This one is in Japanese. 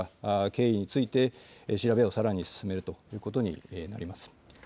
経緯について調べをさらに進めるということになります。